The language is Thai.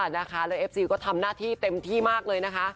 นะคะแล้วเอฟซีก็ทำหน้าที่เต็มที่มากเลยนะคะ